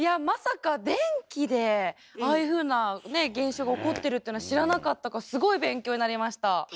まさか電気でああいうふうな現象が起こってるっていうのは知らなかったからすごい勉強になりました。